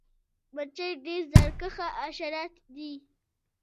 مچۍ ډیر زیارکښه حشرات دي